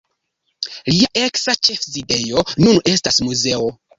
Lia eksa ĉefsidejo nun estas muzeo.